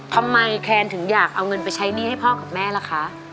แคนถึงอยากเอาเงินไปใช้หนี้ให้พ่อกับแม่ล่ะคะ